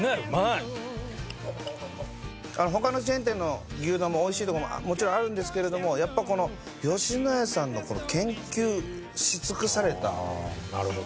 他のチェーン店の牛丼も美味しい所ももちろんあるんですけれどもやっぱこの野家さんのこの研究し尽くされた。